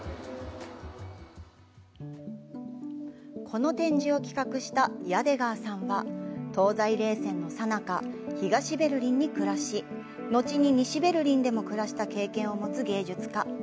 この展示を企画したヤデガーさんは東西冷戦の最中東ベルリンに暮らし、後に西ベルリンでも暮らした経験を持つ芸術家。